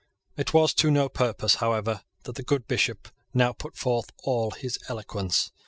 It was to no purpose, however, that the good Bishop now put forth all his eloquence.